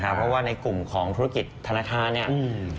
เพราะว่าในกลุ่มของธุรกิจธนาคารเนี่ย